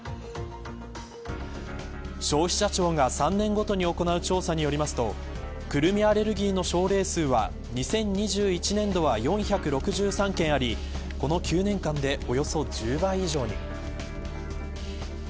消費者庁が３年ごとに行う調査によりますとクルミアレルギーの症例数は２０２１年度は４６３件ありこの９年間でおよそ１０倍以上に。